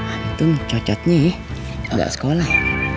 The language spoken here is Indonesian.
antum cocoknya gak sekolah